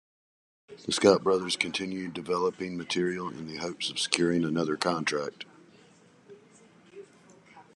The Scott brothers continued developing material in the hope of securing another contract.